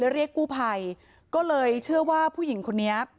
เรียกกู้ภัยก็เลยเชื่อว่าผู้หญิงคนนี้